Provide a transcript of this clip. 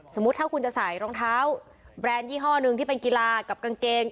สมมุติถ้าคุณจะใส่รองเท้าแบรนด์ยี่ห้อหนึ่งที่เป็นกีฬากับกางเกง